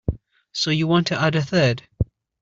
So you want to add a third?